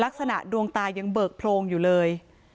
ลักษณะดวงตายังเบิกโพรงอยู่เลย